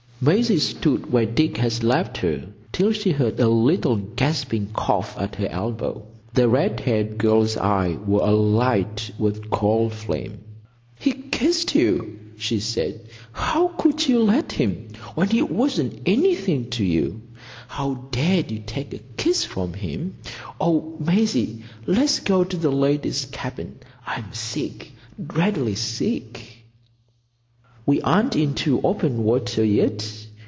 Maisie stood where Dick had left her till she heard a little gasping cough at her elbow. The red haired girl's eyes were alight with cold flame. "He kissed you!" she said. "How could you let him, when he wasn't anything to you? How dared you to take a kiss from him? Oh, Maisie, let's go to the ladies' cabin. I'm sick,—deadly sick." "We aren't into open water yet.